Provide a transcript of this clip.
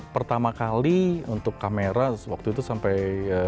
pertama kali untuk kamera waktu itu sampai